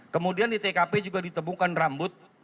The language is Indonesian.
kemudian di tkp juga ditemukan rambut